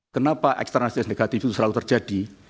kenapa eksternalitas negatif itu selalu terjadi